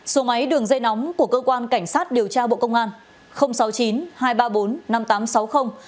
số máy đường dây nóng của cơ quan cảnh sát điều tra bộ công an